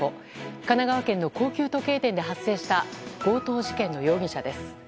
神奈川県の高級時計店で発生した強盗事件の容疑者です。